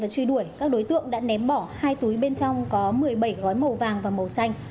truy đuổi các đối tượng đã ném bỏ hai túi bên trong có một mươi bảy gói màu vàng và màu xanh